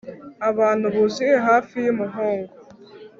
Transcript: abantu buzuye hafi y'umuhungu